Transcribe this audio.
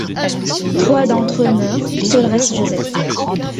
Trois d'entre eux meurent, seul reste Joseph.